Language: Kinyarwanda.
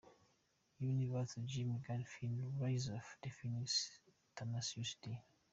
Universe -- Jim Gaffigan Rize Of The Fenix -- Tenacious D.